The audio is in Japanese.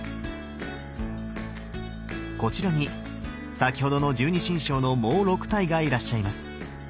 こちらに先ほどの十二神将のもう６体がいらっしゃいます。